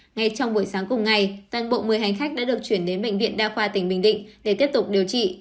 ngay trong buổi sáng cùng ngày toàn bộ một mươi hành khách đã được chuyển đến bệnh viện đa khoa tỉnh bình định để tiếp tục điều trị